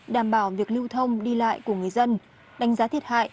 đảm bảo việc lưu thông đi lại của người dân đánh giá thiệt hại